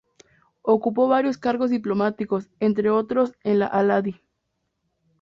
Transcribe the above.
Ocupó varios cargos diplomáticos, entre otros, en la Aladi.